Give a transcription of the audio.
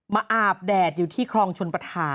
มาอาบแดดอยู่ที่ครองชลปทาน